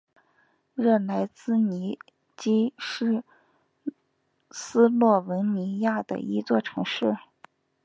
热莱兹尼基是斯洛文尼亚的一座城市。